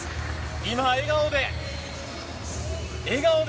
今、笑顔で。